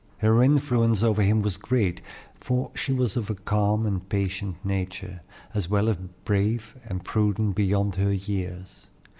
Her influence over him was great, for she was of a calm and patient nature, as well as brave and prudent beyond her years.